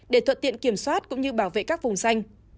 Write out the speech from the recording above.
để thuận tiện kiểm soát cũng như bảo vệ các vùng xanh